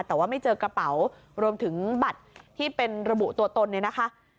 แต่ว่าไม่เจอกระเป๋ารวมถึงบัตรที่เป็นระบุตัวตนเนี่ยนะคะ